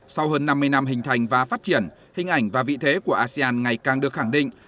sau hơn năm mươi năm hình thành và phát triển hình ảnh và vị thế của asean ngày càng được khẳng định